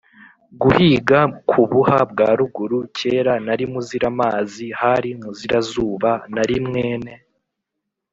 guhiga ku buha bwa ruguru, kera nari muziramazi, hari muzirazuba nari mwene